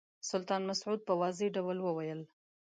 سلطان مسعود په واضح ډول وویل.